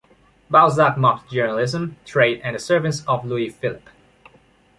Balzac mocked journalism, trade and the servants of Louis-Philippe.